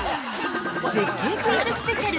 ◆絶景クイズスペシャル！